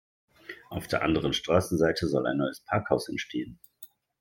Auf der anderen Straßenseite soll ein neues Parkhaus entstehen.